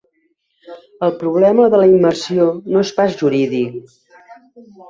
El problema de la immersió no és pas jurídic.